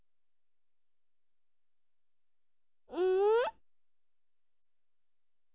うん？